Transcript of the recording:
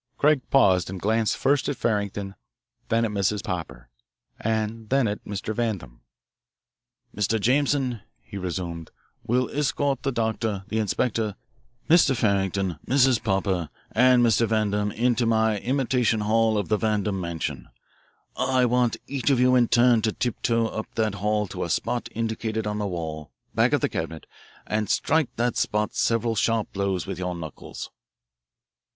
Craig paused and glanced first at Farrington, then at Mrs. Popper, and then at Mr. Vandam. "Mr. Jameson," he resumed, "will escort the doctor, the inspector, Mr. Farrington, Mrs. Popper, and Mr. Vandam into my imitation hall of the Vandam mansion. I want each of you in turn to tiptoe up that hall to a spot indicated on the wall, back of the cabinet, and strike that spot several sharp blows with your knuckles."